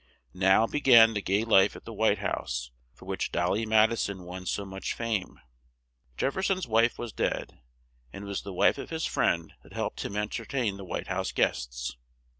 Now, be gan the gay life at the White House, for which "Dol ly" Mad i son won so much fame. Jef fer son's wife was dead, and it was the wife of his friend that helped him en ter tain the White House guests.